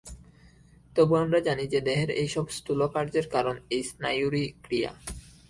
তবু আমরা জানি যে, দেহের এইসব স্থূল কার্যের কারণ এই স্নায়ুরই ক্রিয়া।